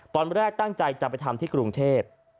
ตอนแรกตั้งใจจะไปทำที่กรุงเทพ